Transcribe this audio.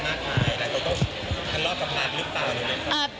ทำคุกกันตั้งนานมากมายแล้วต้องกันรอดกับมันหรือเปล่าเลยนะครับ